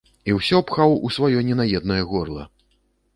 І ўсё пхаў у сваё ненаеднае горла.